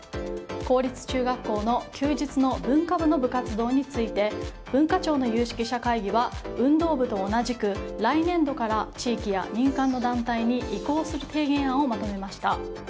公立中学校の休日の文化部の部活動について文化庁の有識者会議は運動部と同じく来年度から、地域や民間の団体に提言案をまとめました。